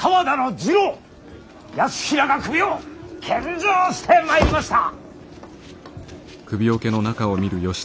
泰衡が首を献上してまいりました。